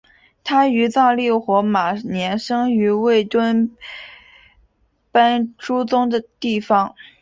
他于藏历火马年生于卫堆奔珠宗地方。